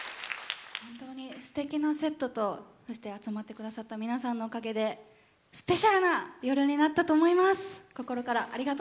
本当にすてきなセットとそして集まってくださった皆さんのおかげでスペシャルな夜になったと思います。